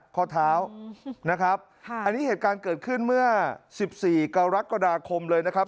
ข้อเท้านะครับอันนี้เหตุการณ์เกิดขึ้นเมื่อ๑๔กรกฎาคมเลยนะครับ